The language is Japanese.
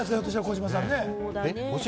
児嶋さんね。